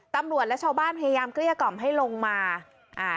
ตำรวจและชาวบ้านพยายามเกลี้ยกล่อมให้ลงมาอ่า